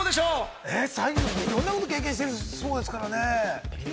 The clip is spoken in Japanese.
いろんなことを経験してそうですからね。